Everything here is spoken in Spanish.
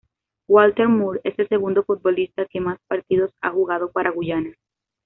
Walter Moore es el segundo futbolista que más partidos ha jugado para Guyana.